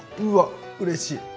うわうれしい！